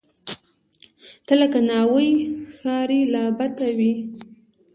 ته لکه ناوۍ، ښاري لعبته وې